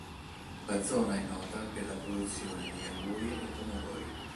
La zona è nota per la produzione di angurie e pomodori.